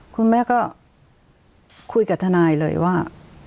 คุณแม่ก็คุยกับทนายเลยว่า